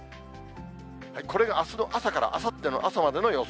これがあすの朝からあさっての朝までの予想